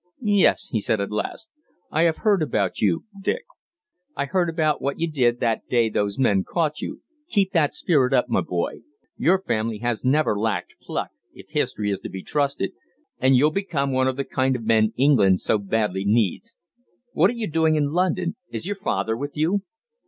"Yes," he said at last, "I have heard about you Dick. I heard about what you did that day those men caught you. Keep that spirit up, my boy your family has never lacked pluck, if history is to be trusted and you'll become one of the kind of men England so badly needs. What are you doing in London? Is your father with you?"